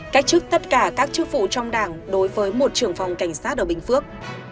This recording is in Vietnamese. các chức tất cả các chức phụ trong đảng đối với một trưởng phòng cảnh sát ở bình phước